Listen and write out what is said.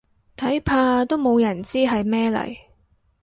睇怕都冇人知係咩嚟